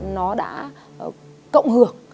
nó đã cộng hưởng